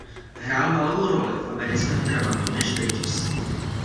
Hrál malou roli v americkém dramatu Nash Bridges.